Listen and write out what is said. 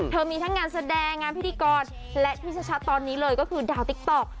มีทั้งงานแสดงงานพิธีกรและที่ชัดตอนนี้เลยก็คือดาวติ๊กต๊อก